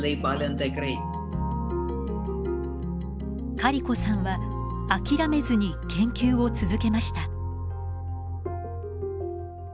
カリコさんは諦めずに研究を続けました。